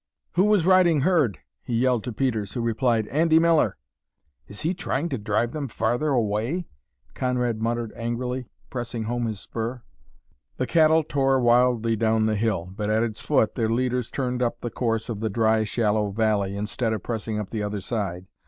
"Who was riding herd?" he yelled to Peters, who replied, "Andy Miller." "Is he trying to drive them farther away?" Conrad muttered angrily, pressing home his spur. The cattle tore wildly down the hill, but at its foot their leaders turned up the course of the dry shallow valley instead of pressing up the other side.